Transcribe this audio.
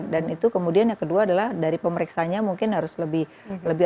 dan itu kemudian yang kedua adalah dari pemeriksanya mungkin harus lebih